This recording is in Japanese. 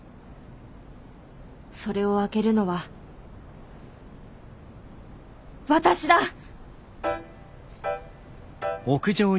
それを開けるのは私だ！